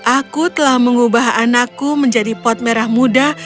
aku telah mengubah anakku menjadi pot merah muda